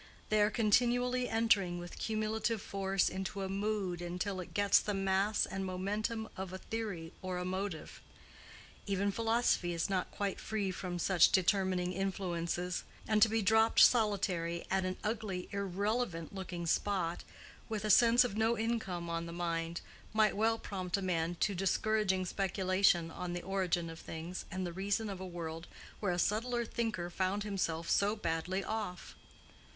They are continually entering with cumulative force into a mood until it gets the mass and momentum of a theory or a motive. Even philosophy is not quite free from such determining influences; and to be dropped solitary at an ugly, irrelevant looking spot, with a sense of no income on the mind, might well prompt a man to discouraging speculation on the origin of things and the reason of a world where a subtle thinker found himself so badly off.